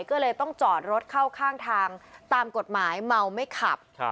ก็เลยต้องจอดรถเข้าข้างทางตามกฎหมายเมาไม่ขับ